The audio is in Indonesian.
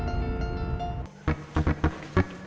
jangan pada lari lari nanti jatuh